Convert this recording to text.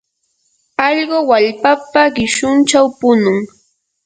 allqu wallpapa qishunchaw punun.